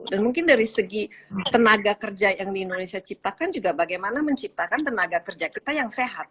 dan mungkin dari segi tenaga kerja yang di indonesia ciptakan juga bagaimana menciptakan tenaga kerja kita yang sehat